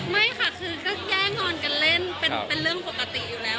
ไม่ค่ะคือก็แย่งอนกันเล่นเป็นเรื่องปกติอยู่แล้ว